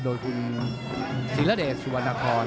โดยคุณธิระเดชโสวนาคอร์